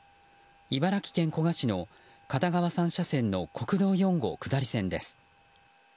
茨城県古河市の片側３車線の国道４号下り線です。